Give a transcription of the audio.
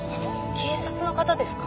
警察の方ですか？